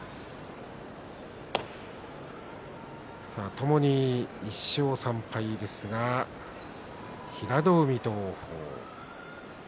ともに１勝３敗同士、平戸海と王鵬です。